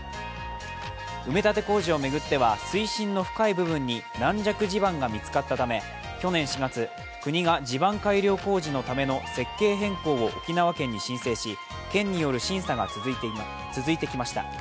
埋め立て工事を巡っては水深の深い部分に軟弱地盤が見つかったため、去年４月、国が地盤改良工事のための設計変更を沖縄県に申請し、県による審査が続いてきました。